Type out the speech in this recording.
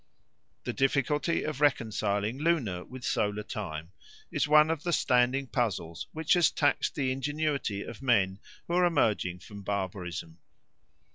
The difficulty of reconciling lunar with solar time is one of the standing puzzles which has taxed the ingenuity of men who are emerging from barbarism.